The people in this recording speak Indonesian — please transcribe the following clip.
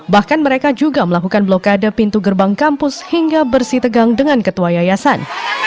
bahkan mereka juga melakukan blokade pintu gerbang kampus hingga bersih tegang dengan ketua yayasan